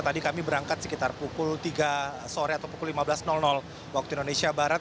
tadi kami berangkat sekitar pukul tiga sore atau pukul lima belas waktu indonesia barat